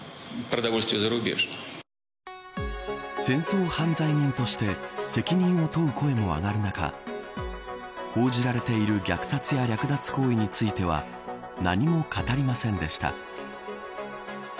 戦争犯罪人として責任を問う声も上がる中報じられている虐殺や略奪行為については何も語りませんでした。